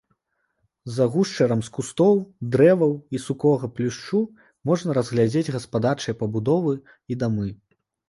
За гушчарам з кустоў, дрэваў і сухога плюшчу можна разгледзець гаспадарчыя пабудовы і дамы.